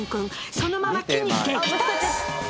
そのまま木に激突！